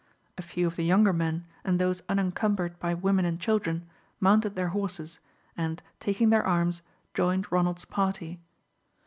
A few of the younger men, and those unencumbered by women and children, mounted their horses, and taking their arms, joined Ronald's party.